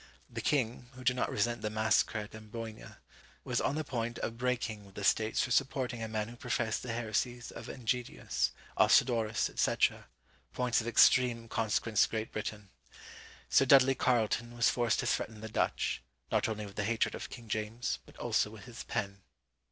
The king, who did not resent the massacre at Amboyna, was on the point of breaking with the States for supporting a man who professed the heresies of Enjedius, Ostodorus, &c., points of extreme consequence to Great Britain! Sir Dudley Carleton was forced to threaten the Dutch, not only with the hatred of King James, but also with his pen."